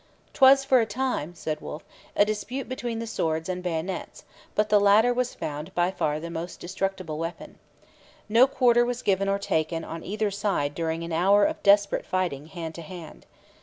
''Twas for a time,' said Wolfe, 'a dispute between the swords and bayonets, but the latter was found by far the most destructable weapon.' No quarter was given or taken on either side during an hour of desperate fighting hand to hand.